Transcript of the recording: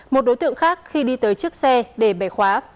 một đối tượng khác khi đi tới chiếc xe để bẻ khóa